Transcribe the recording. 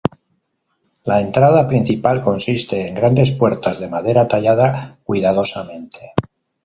La entrada principal consiste en grandes puertas de madera tallada cuidadosamente.